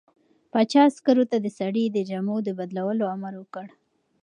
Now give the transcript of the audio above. پاچا عسکرو ته د سړي د جامو د بدلولو امر وکړ.